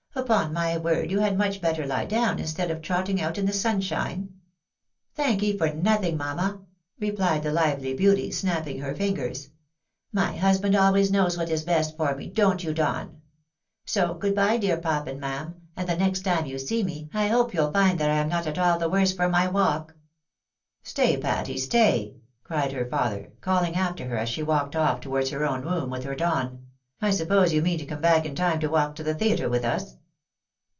Upon my word you had much better lie down instead of trotting out in the sunshine." "Thank'e for nothing, mamma," replied the lively beauty, snapping her fingers. " My husband always knows what is best for me, don't you, Don ? So good by, dear pap and mam, and the next time you see me, I hope you'll find that I am not at all the worse for my walk." " Stay, Patty, stay," cried her father, calling after her as she walked off towards her own room with her Don ;" I suppose yor mean to come back in time to walk to the theatre with us."